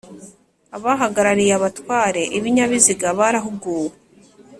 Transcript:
abahagarariye abatwara ibinyabiziga barahuguwe